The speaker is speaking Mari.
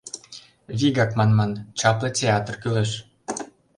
Вигак манман — чапле театр кӱлеш.